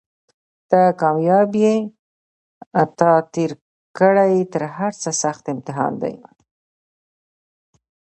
ته کامیاب یې تا تېر کړی تر هرڅه سخت امتحان دی